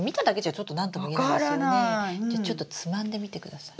じゃちょっとつまんでみてください。